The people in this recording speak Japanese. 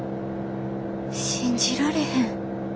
信じられへん。